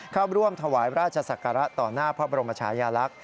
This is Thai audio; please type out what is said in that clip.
เข้าร่วมถวายราชศักระต่อหน้าพระบรมชายาลักษณ์